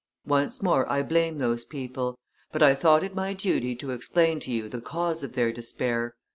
Once more, I blame those people; but I thought it my duty to explain to you the cause of their despair.